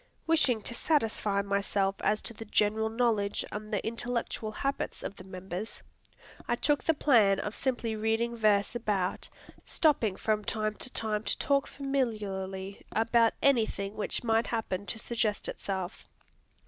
Wishing to satisfy myself as to the general knowledge and the intellectual habits of the members, I took the plan of simply reading verse about, stopping from time to time to talk familiarly about anything which might happen to suggest itself.